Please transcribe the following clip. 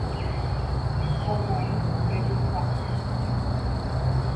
Omoĩ pejuha